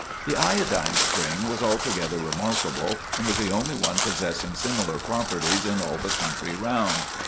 The Iodine Spring was altogether remarkable and was the only one possessing similar properties in all the country round.